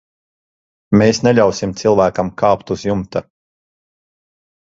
Mēs neļausim cilvēkam kāpt uz jumta.